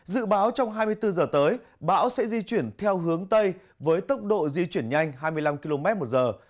dự báo trong hai mươi bốn giờ tới bão sẽ di chuyển theo hướng tây với tốc độ di chuyển nhanh hai mươi năm km một giờ